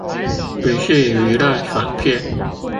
不是娛樂爽片